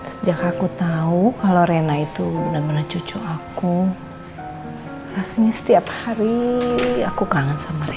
sejak aku tahu kalau rena itu benar benar cucu aku rasanya setiap hari aku kangen sama rena